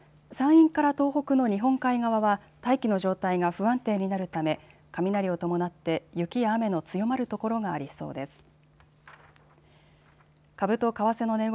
山陰から東北の日本海側は大気の状態が不安定になるため雷を伴って雪や雨の強まる所がありそうです。